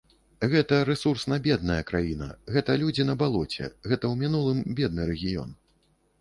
Гэта рэсурсна бедная краіна, гэта людзі на балоце, гэта ў мінулым бедны рэгіён.